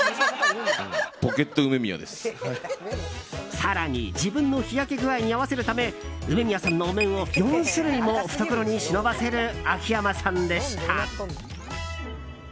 更に、自分の日焼け具合に合わせるため梅宮さんのお面を４種類も懐に忍ばせる秋山さんでした。